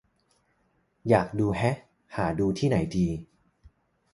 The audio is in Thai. อยากดู แฮะ หาดูที่ไหนดี